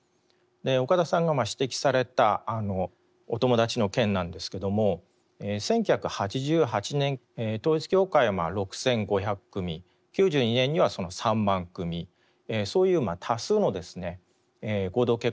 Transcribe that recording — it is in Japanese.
岡田さんが指摘されたお友達の件なんですけども１９８８年統一教会は６，５００組９２年には３万組そういう多数のですね合同結婚というのをやりました。